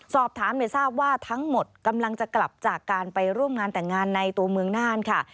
สอบถามทราบว่าทั้งหมดกำลังจะกลับจากการไปร่วมงานแต่งงานในตัวเมืองน่านค่ะ